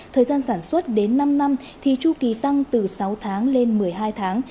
thời gian sản xuất đến năm năm thì chu kỳ tăng từ sáu tháng lên một mươi hai tháng